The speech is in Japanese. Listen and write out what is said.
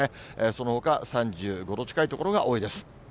そのほか３５度近い所が多いです。